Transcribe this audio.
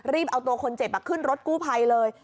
เอาตัวคนเจ็บขึ้นรถกู้ภัยเลย